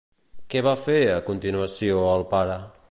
Què va fer, a continuació, el pare?